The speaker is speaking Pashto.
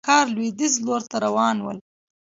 خلک د ښار لوېديځ لور ته روان ول.